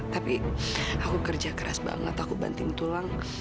tapi aku kerja keras banget aku banting tulang